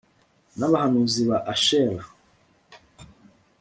nabahanuzi ba Ashera